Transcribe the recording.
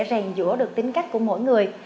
rèn giũa được tính cách của mỗi người